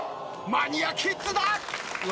マニアキッズだ！